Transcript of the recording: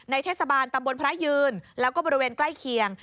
เทศบาลตำบลพระยืนแล้วก็บริเวณใกล้เคียง